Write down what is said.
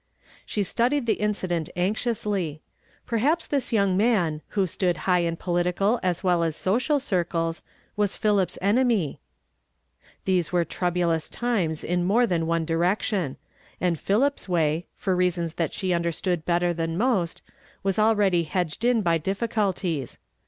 She studied the incident anxiously. Perhaps this young man, who stood high in po litical as well as social circles, was Phili[)\s enemy. These were troublous times in more tlian one direction ; and Philip's way, for reasons that she underetood better than most, was already hedged in by difficulties.